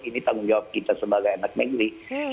ini tanggung jawab kita sebagai anak negeri